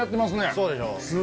そうでしょ。